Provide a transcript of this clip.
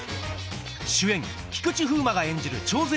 主演菊池風磨が演じる徴税